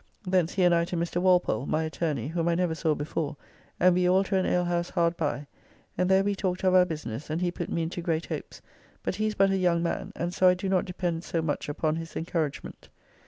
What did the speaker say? Thence he and I to Mr. Walpole, my attorney, whom I never saw before, and we all to an alehouse hard by, and there we talked of our business, and he put me into great hopes, but he is but a young man, and so I do not depend so much upon his encouragement.